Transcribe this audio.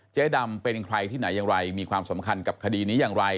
ดำเป็นใครที่ไหนอย่างไรมีความสำคัญกับคดีนี้อย่างไร